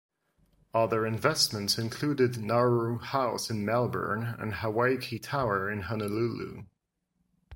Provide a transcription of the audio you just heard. Other investments included Nauru House in Melbourne and Hawaiki Tower in Honolulu.